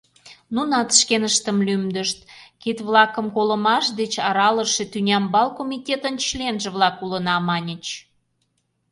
Нунат шкеныштым лӱмдышт, кит-влакым колымаш деч аралыше тӱнямбал комитетын членже-влак улына, маньыч.